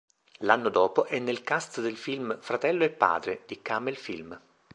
L'anno dopo è nel cast del film "Fratello e padre" di Kamel Film.